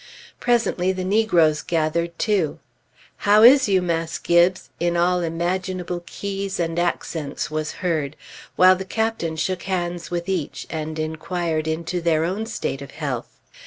Presently the negroes gathered too. "How is you, Mass' Gibbes?" in all imaginable keys and accents was heard, while the Captain shook hands with each and inquired into their own state of health.